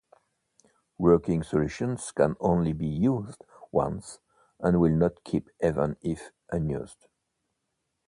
Working solutions can only be used once and will not keep even if unused.